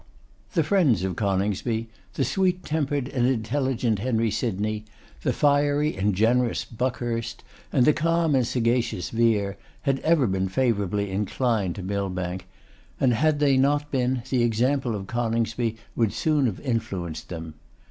The friends of Coningsby, the sweet tempered and intelligent Henry Sydney, the fiery and generous Buckhurst, and the calm and sagacious Vere, had ever been favourably inclined to Millbank, and had they not been, the example of Coningsby would soon have influenced them.